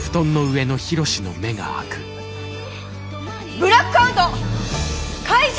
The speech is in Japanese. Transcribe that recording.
ブラックアウト開始！